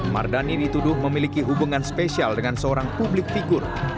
mardani dituduh memiliki hubungan spesial dengan seorang publik figur